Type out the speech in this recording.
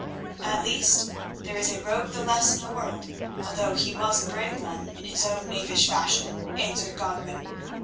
"At least there is a rogue the less in the world, although he was a brave one in his own knavish fashion," answered Godwin.